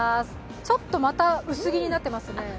ちょっとまた薄着になっていますね。